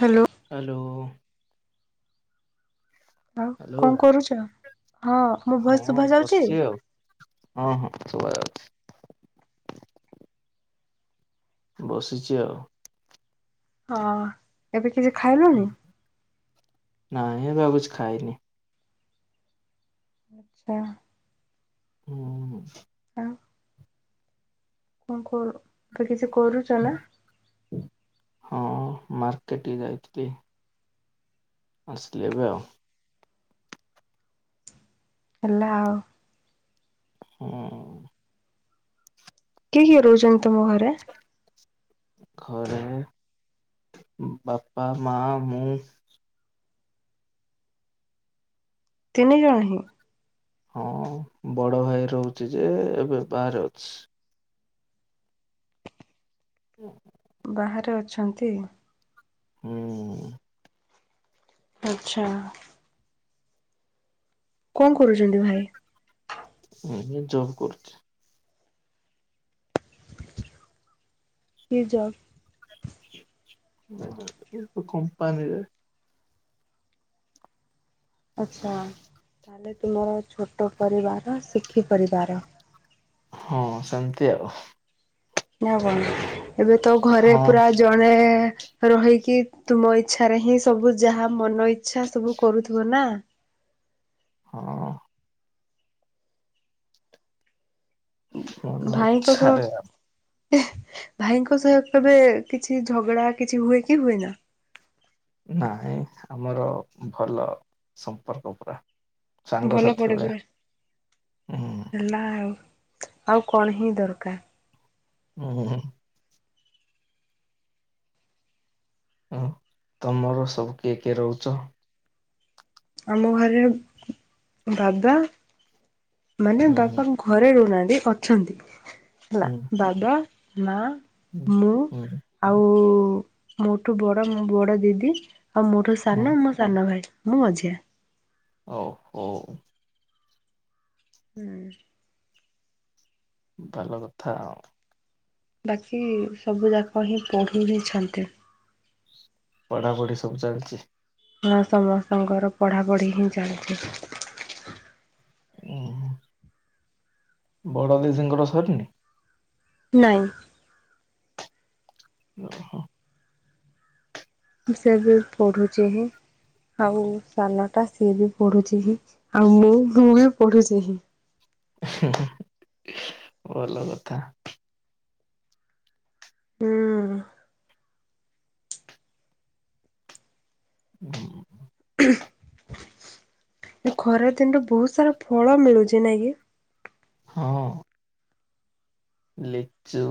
Hello hello. ଆଉ hello କଣ କରୁଛ? ହଁ ମୋ ଭଏସ ହଁ ଶୁଭା ଯାଉଛି। ବସିଛି ଆଉ ହଁ, ହଁ, ଶୁଭଯାଉଛି। ବସିଛି ଆଉ ହଁ, ଏବେ କିଛି ଖାଇଲଣିି? ନାଇଁ, ଏଵେ ଆଉ କିଛି ଖାଇନି। [unintelligible] ହୁଁ ହ କଣ କରୁ କିଛି କରୁଛ ନା ହଁ ମାର୍କେଟ ଟିକେ ଯାଇଥିଲି। ଆସିଲି ଏବେ ଆଉ ହେଲା ଆଉ ହୁଁ କିଏ କିଏ ରହୁଛନ୍ତି ତମ ଘରେ। ଘରେ ବାପା ମା ମୁଁ ତିନି ଜଣ ହିଁ ହଁ ବଡ ଭାଇ ରହୁଛି ଯେ ଏବେ ବାହାରେ ଅଛି। ହୁଁ ବାହାରେ ଅଛନ୍ତି। ହୁଁ ଆଚ୍ଛା କଣ କରୁଛନ୍ତି ଭାଇ? ଏ ଜବ କରୁଛି। କି ଜବ? ଏ କମ୍ପାନୀ ରେ। ଆଚ୍ଛା ତାହେଲେ ତୁମର ଛୋଟ ପରିବାର ସୁଖୀ ପରିବାର। ହଁ ସେମିତି ଆଉ। ନା କଣ ଏବେ ତ ଘରେ ହଁ ପୁରା ଜଣେ ରହିକି ତୁମ ଇଚ୍ଛା ରେ ହିଁ ସବୁ ଯାହା ମନ ଇଚ୍ଛା ସବୁ କରୁଥିବ ନା ହଁ ମନ ଭାଇଙ୍କ ଇଚ୍ଛା ସହ ରେ ଆଉ ଭାଇଙ୍କ ସହ କେବେ କିଛି ଝଗଡା କିଛି ହୁଏ କି ହୁଏନା ନାଇଁ ଆମର ଭଲ ସମ୍ପର୍କ ପୁରା। ଭଲ ସାଙ୍ଗସାଥି ପଡେ ଭଳିଆ ପୁରା ହୁଁ ହେଲା ଆଉ। ଆଉ କଣ ହିଁ ଦରକାର। ହୁଁ ହ ତମର ସବୁ କିଏ କିଏ ରହୁଚ? ଆମ ଘରେ ବାବା ମାନେ ହୁଁ ବାବା ଘରେ ରହୁନାହାନ୍ତି ଅଛନ୍ତି ହେଲା ହୁଁ ବାବା ମା ହୁଁ ମୁଁ ହୁଁ ଆଉ ମୋଠୁ ବଡ ମୋ ବଡ ଦିଦି। ଆଉ ମୋଠୁ ହୁଁ ସାନ ମୋ ସାନ ଭାଇ ମୁଁ ମଝିଆ। ଓ ହୋ ହୁଁ ଭଲ କଥା ଆ ବାକି ସବୁ ଯାକ ହିଁ ପଢ଼ୁହିଁଛନ୍ତି। ପଢ଼ାପଢ଼ି ସବୁ ଚାଲିଛି। ହଁ ସମସ୍ତଙ୍କର ପଢ଼ାପଢ଼ି ହିଁ ଚାଲିଛି। ଓ ବଡ଼ ଦିଦି ଙ୍କର ସରିନି? ନାଇ ଓହୋ ସେ ଏବେ ପଢୁଛି ହିଁ। ଆଉ ସାନ ଟା ସିଏ ବି ପଢୁଛି ହିଁ ଆଉ ମୁଁ ବି ପଢୁଛି ହିଁ। ହିଁ ହୁଁ ଭଲ କଥା। ହୁଁ [inaudible] ଏ ଖରାଦିନରେ ବହୁତ ସାରା ଫଳ ମିଳୁଚି ନାଇଁ କି? ହଁ। ଲିଚୁ,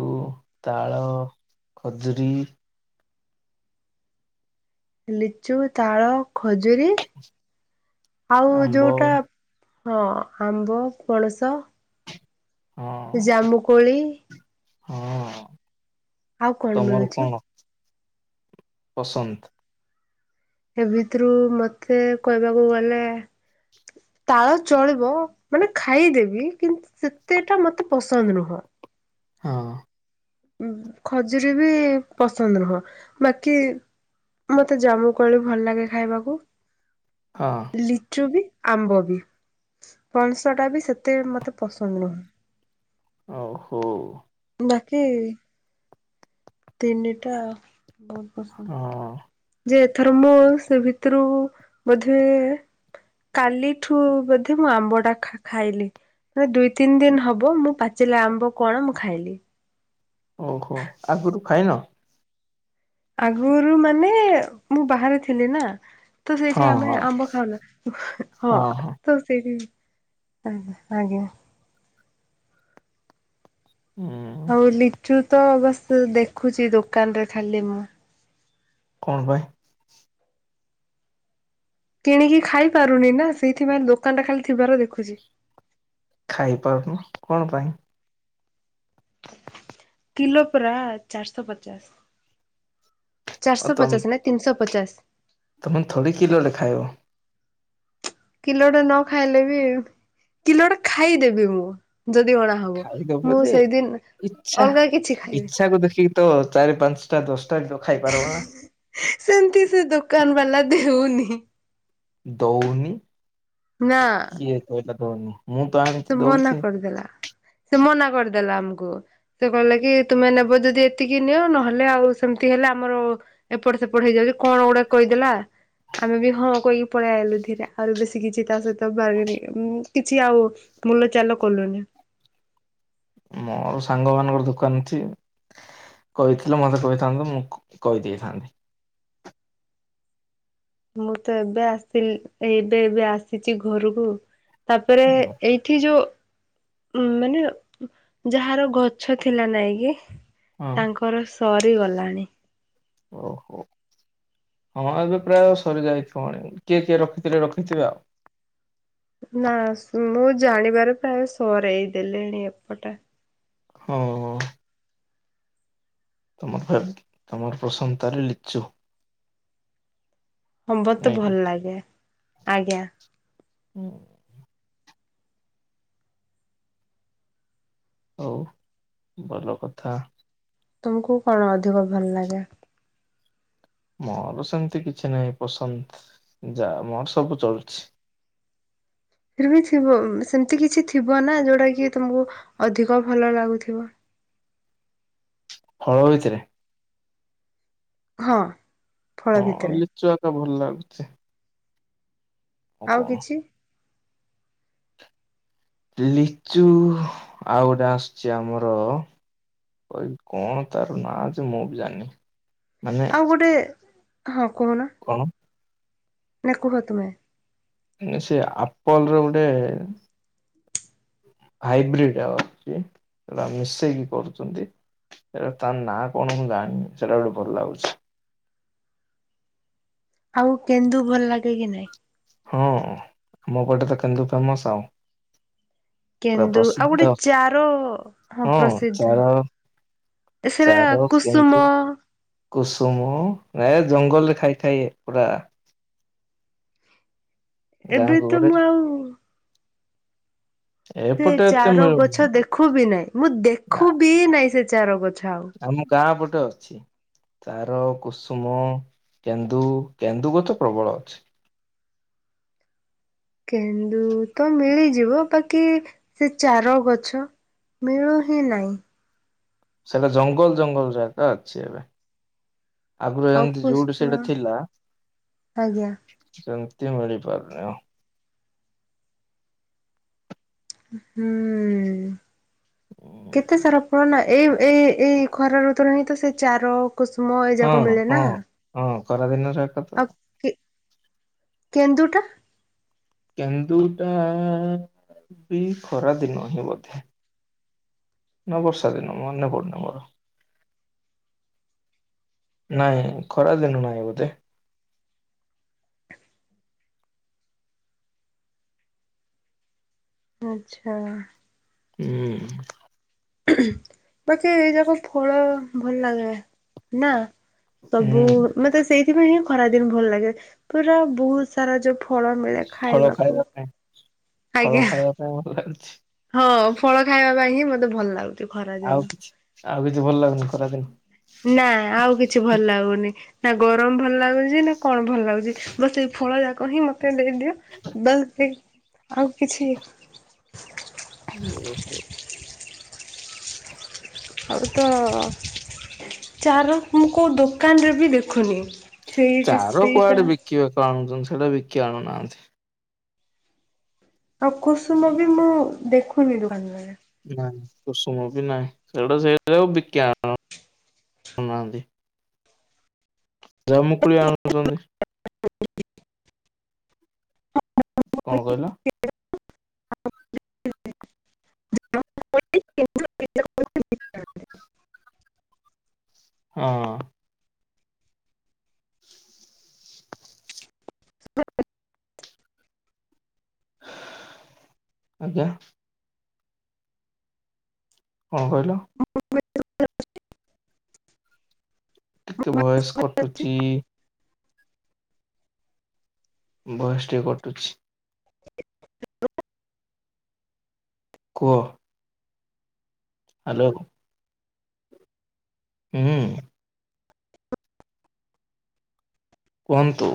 ତାଳ, ଖଜୁରୀ ଲିଚୁ, ତାଳ, ଖଜୁରୀ ଆଉ ଆମ୍ବ ଯୋଉଟା ହଁ। ଆମ୍ବ, ପଣସ ହଁ ଜାମୁକୋଳି ହଁ। ଆଉ କଣ ମିଳୁଚି? ପସନ୍ଦ୍ ଏ ଭିତରୁ ମତେ କହିବାକୁ ଗଲେ ତାଳ ଚଳିବ ମାନେ ଖାଇଦେବି କିନ୍ତୁ ସେତେଟା ମତେ ପସନ୍ଦ୍ ନୁହଁ। ହଁ। ଉମ୍ ଖଜୁରୀ ବି ପସନ୍ଦ୍ ନୁହଁ। ବାକି ମତେ ଜାମୁକୋଳି ଭଲ୍ ଲାଗେ ଖାଇବାକୁ। ହଁ ଲିଚୁ ବି ଆମ୍ବ ବି। ପଣସଟା ବି ସେତେ ମତେ ପସନ୍ଦ୍ ନୁହଁ। ଆଉ ହୋ। ବାକି ତିନିଟା ବହୁତ୍ ହଁ। ପସନ୍ଦ୍। ଯେ ଏଥର ମୁଁ ସେ ଭିତରୁ ବୋଧେ କାଲିଠୁ ବୋଧେ ମୁଁ ଆମ୍ବ ଟା ଖା-ଖାଇଲି। ଦୁଇ ତିନ୍ ଦିନ୍ ହବ ମୁଁ ପାଚିଲା ଆମ୍ବ କଣ ମୁଁ ଖାଇଲି। ଓହୋ ଆଗରୁ ଖାଇନ? ଆଗୁରୁ ମାନେ ମୁଁ ବାହାରେ ଥିଲି ନା ତ ସେଇଠି ହଁ ଆମେ ହଁ ଆମ୍ବ ଖାଉନା। ହଁ ତ ସେଇଠି ଆଜ୍ଞା ଆଜ୍ଞା। ହୁଁ ଆଉ ଲିଚୁ ତ ବାସ୍ ଦେଖୁଛି ଦୋକାନରେ ଖାଲି ମୁଁ କଣ ପାଇଁ? କିଣିକି ଖାଇ ପାରୁନି ନା, ସେଇଥିପାଇଁ ଦୋକାନ ଟା ଖାଲି ଥିବାର ଦେଖୁଛି। ଖାଇପାରୁନୁ କଣ ପାଇଁ? କିଲୋ ପରା ଚାରିଶହ ପଚାଶ। ଆଉ ଚାରିଶ ତମ ପଚାଶ ନାଇଁ ତିନିଶ ପଚାଶ। ତମେ ଥଡ଼ି କିଲୋଲେ ଖାଇବ। କିଲୋଟେ ନ ଖାଇଲେ ବି, କିଲୋଟେ ଖାଇଦେବି ମୁଁ ଯଦି ଅଣା ହବ। ଖାଇଦବ ମୁଁ ଯେ ସେଇଦିନ୍ ଇଚ୍ଛା ଇଚ୍ଛାକୁ ଦେଖିକି ତ ଚାରି ପାଞ୍ଚ ସେମତି ସେ ଦୋକାନ୍ ବାଲା ଦେଉନି। ଦଉନି? ନାଁ। କିଏ କହିଲା ଦଉନି ମୁଁ ତ ଆଣିକି ସେ ମନା ଦଉଛି। କରିଦେଲା। ସେ ମନା କରିଦେଲା ଆମକୁ। ସେ କହିଲା କି ତୁମେ ନେବ ଯଦି ଏତିକି ନିଅ ନହେଲେ ଆଉ ସେମତି ହେଲେ ଆମର ଏପଟ ସେପଟ ହେଇଯାଉଛି, କଣ ଗୋଟେ କହିଦେଲା ଆମେ ବି ହଁ କହିକି ପଳେଇ ଆଇଲୁ ଧୀରେ। ଆଉରି ବେଶୀ କିଛି ତା ସହିତ [unintelligible] ଉଁ କିଛି ଆଉ ମୂଲ ଚାଲ କଲୁନି। ମୋର ସାଙ୍ଗମାନଙ୍କର ଦୋକାନ ଅଛି। କହିଥିଲେ ମତେ କହିଥାନ୍ତୁ, ମୁଁ କହିଦେଇଥାନ୍ତି। [inaudible] ମୁଁ ତ ଏବେ ଆସିଲି, ଏଇ ଏବେ ଏବେ ଆସିଛି ଘରକୁ। ତାପରେ ଏଇଠି ଯୋଉ ମାନେ ଯାହାର ଗଛ ଥିଲା ନାଇଁ କି? ହଁ ତାଙ୍କର ସରିଗଲାଣି। ଓହୋ ହଁ ଏବେ ପ୍ରାୟ ସରିଯାଇଥିବଣି କିଏ କିଏ ରଖିଥିଲେ ରଖିଥିବେ ଆଉ। ନାଁ ମୁଁ ଜାଣିବାରେ ପ୍ରାୟ ସରେଇ ଦେଲେଣି ଏପଟା। ହଁ ଅ। ତମର [unintelligible] ତମର ପ୍ରସନତା ରେ ଲିଚୁ। ହଁ ମତେ ନାଇଁ କି? ଭଲ ଲାଗେ ଆଜ୍ଞା। ହୁଁ। ହଉ ଭଲ କଥା। ତମକୁ କଣ ଅଧିକ ଭଲ ଲାଗେ? ମୋର ସେମିତି କିଛି ନାହିଁ ପସନ୍ତ ଯା ମୋର ସବୁ ଚଳୁଛି। ଫିର୍ବି ଥିବ ସେମିତି କିଛି ଥିବ ନା ଯୋଉଟା କି ତମକୁ ଅଧିକ ଭଲ ଲାଗୁଥିବ। [inaudible] ଫଳ ଭିତରେ? ହଁ। ଫଳ ହଁ ଭିତରେ ଲିଚୁ ଆକା ଭଲ ଲାଗୁଚି। ଆଉ କିଛି? ଲିଚୁ ଆଉ ଗୋଟା ଆସୁଛି ଆମର କଣ ତାର ନାଁ ଯେ ମୁଁ ବି ଜାଣିନି। ମାନେ ଆଉ ଗୋଟେ ହଁ କହୁନ। କଣ ନାଇ କୁହ ତୁମେ। ସେ ଆପଲର ଗୋଟେ ହାଇବ୍ରିଡ ଅଛି ସେଟା ମିଶେଇକି କରୁଛନ୍ତି। ସେଟ ତାର ନାଁ କଣ ମୁଁ ଜାଣିନି ସେଟା ଗୋଟେ ଭଲ ଲାଗୁଛି। ଆଉ କେନ୍ଦୁ ଭଲ ଲାଗେ କି ନାଇଁ? ହଁ ଆମ ପଟେ ତ କେନ୍ଦୁ ଫେମସ ଆଉ। ପୁରା କେନ୍ଦୁ ଆଉ ଗୋଟେ ପ୍ରସିଦ୍ଧ ଚାର ହଁ ପ୍ରସିଦ୍ଧ। ସେଟା ଚାର କୁସୁମ କିନ୍ତୁ କୁସୁମ ନେ ଜଙ୍ଗଲରେ ଖାଇଥାଏ ପୁରା ଏବେ ଗାଁକୁ ତ ଗଲେ ମୁଁ ଆଉ ସେ ଏପଟେ ଏତେ ଚାର ମିଳୁନି ଗଛ ଦେଖୁ ବିି ନାାଇଁ ମୁଁ ନା, ଦେଖୁ ବିି ନାଇଁ ସେ ଚାର ଗଛ। ଆଉ। ଆମ ଗାଁ ପଟେ ଅଛି। ତାର କୁସୁମ କେନ୍ଦୁ କେନ୍ଦୁ ଗଛ ପ୍ରବଳ ଅଛି। କେନ୍ଦୁ ତ ମିଳିଯିବ ବାକି ସେ ଚାର ଗଛ ମିଳୁ ହିଁ ନାହିଁ। ସେଟା ଜଙ୍ଗଲ ଜଙ୍ଗଲ ଜାଗା ଅଛି ଏବେ। ଆଗରୁ ଆଉ ଏମିତି ଯୋଉଠି କୁଷ୍ମ ସେଇଟା ଥିଲା। ଆଜ୍ଞା ସେମ ତି ମିଳି ପାରୁନି ଆଉ। ହୁଁ କେତେ ସାରା ଫଳ ନା ଏଇ ଏଇ ଏଇ ଖରା ଋତୁରେ ହିଁ ତ ସେ ଚାର କୁସୁମ ଏଇ ଯାକ ମିଳେ ନା। ଖରାଦିନର ଏକ ତ ଆଉ କେ କେନ୍ଦୁଟା କେନ୍ଦୁଟା ବି ଖରା ଦିନ ହିଁ ବୋଧେ। ନା ବର୍ଷା ଦିନ ମନେ ପଡୁନି ମୋର। ନାଇଁ ଖରାଦିନୁ ନାହିଁ ବୋଧେ। ଆଚ୍ଛା। ହୁଁ। ବାକି ଏଇ ଯାକ ଫଳ ଭଲ ଲାଗେ। ନା। ସବୁ ହୁଁ ମତେ ସେଇଥିପାଇଁ ହିଁ ଖରାଦିନ ଭଲ ଲାଗେ। ପୁରା ବହୁତ ସାରା ଯୋଉ ଫଳ ମିଳେ। ଫଳ ଖାଇବାକୁ। ଖାଇବା ପାଇଁ ଫଳ ଆଜ୍ଞା ଖାଇବା ପାଇଁ ଭଲ ଲାଗୁଛି। ହଁ ଫଳ ଖାଇବା ପାଇଁ ହିଁ ମତେ ଭଲ ଲାଗୁଛି ଖରା ଆଉ ଦିନ। କିଛି ଆଉ କିଛି ଭଲ ଲାଗୁନି ଖରା ଦିନୁ। ନା ଆଉ କିଛି ଭଲ ଲାଗୁନି ନା ଗରମ ଭଲ ଲାଗୁ ନା କଣ ଭଲ ଲାଗୁଚି ବାସ୍ ସେଇ ଫଳ ଯାକ ହିଁ ମତେ ଦେଇଦିଅ ବା ସେଇ ଆଉ କିଛି ଓହୋ। ଆଉ ତ ଚାର ମୁଁ କୋଉ ଦୋକାନରେ ବି ଦେଖୁନି। ସେଇଠି ଚାର ସେଇଟା କୁଆଡେ ବିକିବାକୁ ଆଣୁଚନ୍ତି ସେଟା ବିକି ଆଣୁନାହାନ୍ତି ଆଉ କୁସୁମ ବି ମୁଁ ଦେଖୁନି ଦୋକାନରେ। ନାଇଁ କୁଷୁମ ବି ନାହିଁ ସେଉଡା ସେଇରାକୁ ବିକି ଆଣ ନାହାନ୍ତି ଜାମୁକୋଳି ଆଣୁଚନ୍ତି। [inaudible] କଣ କହିଲ? [inaudible] ହଁ। ଆଜ୍ଞା? କଁ କହିଲ? ଟିକେ ଭଏସ୍ କଟୁଚି ଭଏସ ଟିକେ କଟୁଚି। କୁହ। ହାଲୋ କୁ ହୁଁ। କୁହନ୍ତୁ।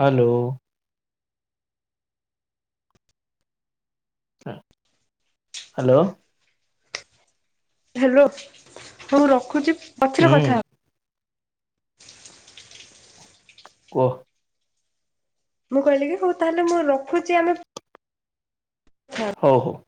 ହାଲୋ। ହା ହାଲୋ। ହାଲୋ ହଁ ମୁଁ ରଖୁଚି ପଛରେ କଥା ହୁଁ ହ କୁହ? ମୁଁ କହିଲି କି ହୋଉ ତାହେଲେ ମୁଁ ରଖୁଚି ଆମେ ହୋଉ ହୋଉ।